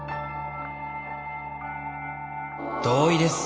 「同意です。